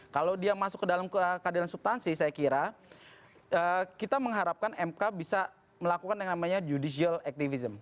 kalau dia masuk ke dalam keadilan subtansi saya kira kita mengharapkan mk bisa melakukan yang namanya judicial activism